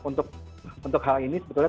untuk hal ini sebetulnya